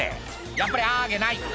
「やっぱりあげない」